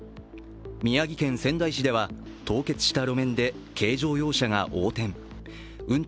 宮城県仙台市では凍結した路面で軽乗用車が横転。